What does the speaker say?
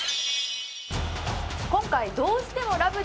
今回どうしても『ラブ！！